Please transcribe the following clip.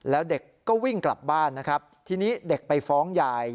แล้วเด็กก็วิ่งกลับบ้านนะครับทีนี้เด็กไปฟ้องยาย